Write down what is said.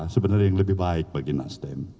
sebenarnya yang lebih baik bagi nasdem